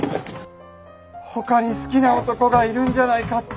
他に好きな男がいるんじゃないかって。